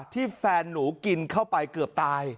ที่แฟนหนูกินเข้าไปเกือบตาย